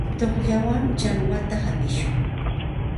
Tuqllawan chakwata hapishun.